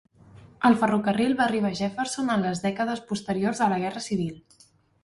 El ferrocarril va arribar a Jefferson en les dècades posteriors a la guerra civil.